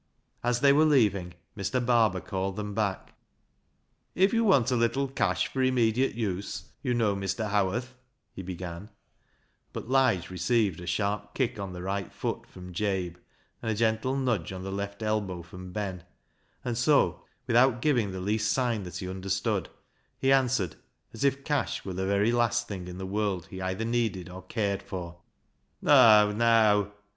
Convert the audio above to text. As they were leaving, Mr. Barber called them back. II i62 BECKSIDE LIGHTS " If you want a little cash for immediate use, you know, Mr. Howarth," he began ; but Lige received a sharp kick on the right foot from Jabe, and a gentle nudge on the left elbow from Ben, and so, without giving the least sign that he understood, he answered, as if cash were the very last thing in the world he either needed or cared for —" Neaw, neaw